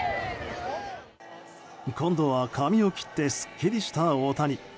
今度は髪を切ってすっきりした大谷。